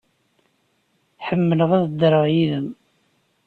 Ḥemmleɣ ad ddreɣ yid-m.